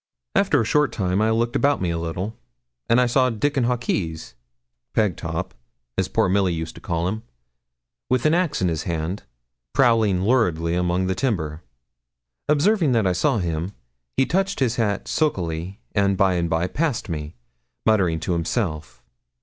After a short time I looked about me a little, and I saw Dickon Hawkes Pegtop, as poor Milly used to call him with an axe in his hand, prowling luridly among the timber. Observing that I saw him, he touched his hat sulkily, and by and by passed me, muttering to himself.